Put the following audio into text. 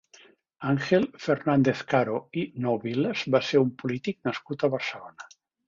Ángel Fernández-Caro i Nouvilas va ser un polític nascut a Barcelona.